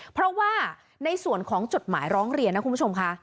เพราะว่าในส่วนของจดหมายร้องเรียนนะคุณผู้ชมค่ะ